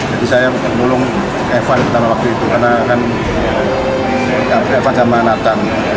jadi saya melulung evan pertama waktu itu karena kan evan sama nata